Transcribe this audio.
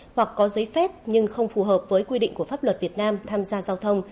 hoặc có giấy phép nhưng không phù hợp với quy định của pháp luật việt nam tham gia giao thông